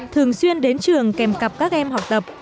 thường xuyên đến trường kèm cặp các em học tập